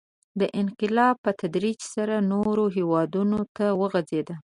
• دا انقلاب په تدریج سره نورو هېوادونو ته وغځېد.